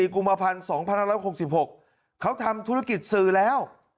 ๒๔กุมภาพันธุรกิจสื่อแล้ว